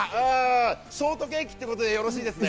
ショートケーキってことでよろしいですね？